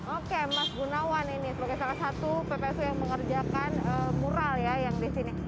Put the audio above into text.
oke mas gunawan ini sebagai salah satu ppsu yang mengerjakan mural ya yang di sini